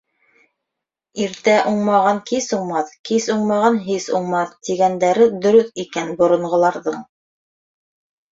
Иртә уңмаған кис уңмаҫ, кис уңмаған һис уңмаҫ, тигәндәре дөрөҫ икән боронғоларҙың.